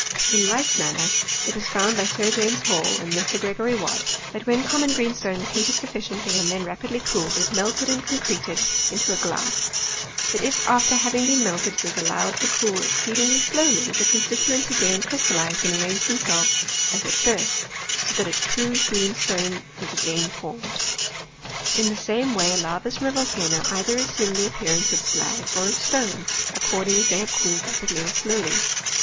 In like manner it was fouLU L»Y rii: Jhii, tr Hiill and Mr. Greirorr Watt, that T^iihii f^jUiiii^jJi green rtone ^as heated su^ciendy, and then rapirilv cooled, it melied and concreted into a gla :;; but if after havin^been melted it was allowed Xfj iyyA exoeedinslv si owl v. the constituents asrain crvfcta.'Jizfcd and arrancred themselves as at first — so tliat a tru'r ^eenstone was again formed. In the same way lavas from a volcano either assume the appearance of fe]a;r or of stone, according as they have cooled ra pidly or slowly.